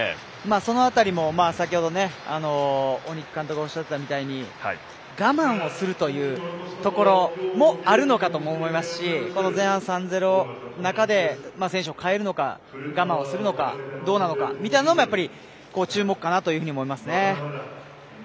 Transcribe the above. その辺りも先ほど鬼木監督おっしゃってたみたいに我慢をするというところもあるのかと思いますし前半３−０の中で選手を代えるのか我慢をするのかどうなのかというのも注目かなと思いますね。